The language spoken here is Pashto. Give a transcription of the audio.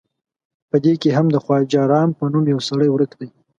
په دې کې هم د خواجه رام په نوم یو سړی ورک دی.